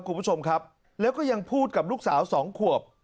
คุณผู้ชมครับแล้วก็ยังพูดกับลูกสาวสองขวบ